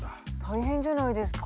大変じゃないですか。